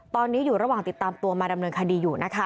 ตอนในอยู่ระหว่างติดตามตัวมาดำเนินคดี